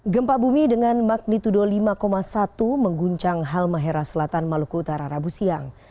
gempa bumi dengan magnitudo lima satu mengguncang halmahera selatan maluku utara rabu siang